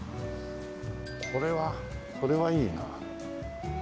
これはこれはいいな。